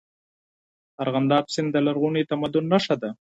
ارغنداب سیند د لرغوني تمدن نښه ده.